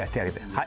「はい！」。